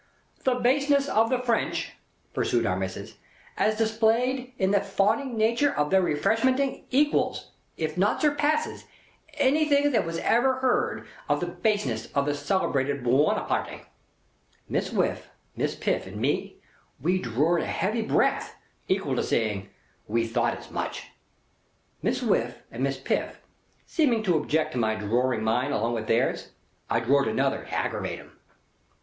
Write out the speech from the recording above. "The baseness of the French," pursued Our Missis, "as displayed in the fawning nature of their Refreshmenting, equals, if not surpasses, anythink as was ever heard of the baseness of the celebrated Buonaparte." Miss Whiff, Miss Piff and me, we drored a heavy breath, equal to saying, "We thought as much!" Miss Whiff and Miss Piff seeming to object to my droring mine along with theirs, I drored another, to aggravate 'em.